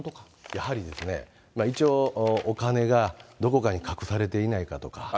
やはり、一応、お金がどこかに隠されていないかとか。